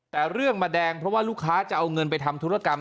แต่เรื่องมาแดงเพราะว่าลูกค้าจะเอาเงินไปทำธุรกรรม